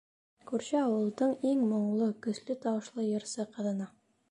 Күрше ауылдың иң моңло, көслө тауышлы йырсы ҡыҙына.